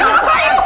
itu salah bayu